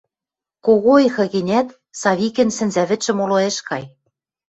Кого ойхы гӹнят, Савикӹн сӹнзӓвӹдшӹ моло ӹш кай.